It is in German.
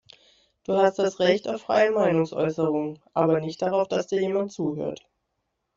Du hast das Recht auf freie Meinungsäußerung, aber nicht darauf, dass dir jemand zuhört.